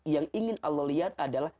yang ingin allah lihat adalah